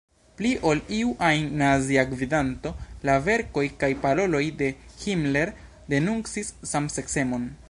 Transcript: Pli ol iu ajn Nazia gvidanto, la verkoj kaj paroloj de Himmler denuncis samseksemon.